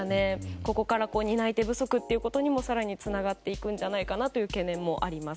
ここから担い手不足ということにも更につながっていくんじゃないかなという懸念もあります。